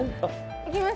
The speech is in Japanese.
いきます